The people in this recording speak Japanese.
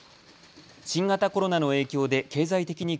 新型コロナの影響で経済的に